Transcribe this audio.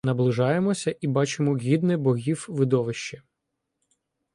Наближаємося і бачимо гідне Богів видовище.